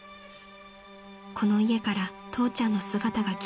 ［この家から父ちゃんの姿が消える日］